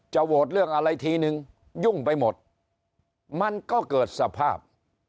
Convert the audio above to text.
โหวตเรื่องอะไรทีนึงยุ่งไปหมดมันก็เกิดสภาพ